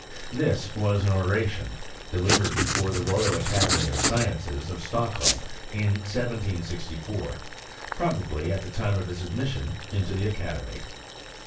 This was an oration, delivered before the Royal Academy of Sciences of Stockholm, in 1764, probably at the time of his admission into the academy.